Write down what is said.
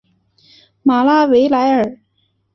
马拉维莱尔。